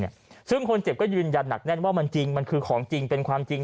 ซึ่งคนเจ็บก็ยืนยันหนักแน่นว่ามันจริงมันคือของจริงเป็นความจริง